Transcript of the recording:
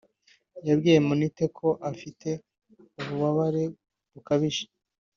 yabwiye Monitor ko afite ububabare bukabije